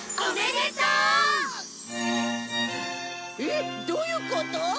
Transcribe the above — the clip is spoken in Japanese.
えっどういうこと！？